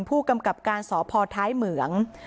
ผู้กำกับการสพท้ายเหมือง